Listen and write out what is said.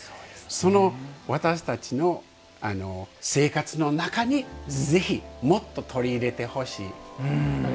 その私たちの生活の中にぜひ、もっと取り入れてほしい。